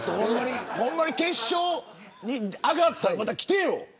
ほんまに決勝に上がったらまた来てよ。